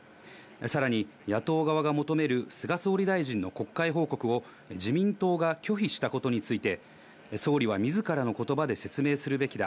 さらに野党側が求める菅総理大臣の国会報告を自民党が拒否したことについて、総理はみずからのことばで説明するべきだ。